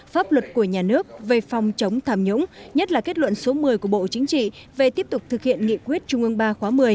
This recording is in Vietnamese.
pháp luật của nhà nước về phòng chống tham nhũng nhất là kết luận số một mươi của bộ chính trị về tiếp tục thực hiện nghị quyết trung ương ba khóa một mươi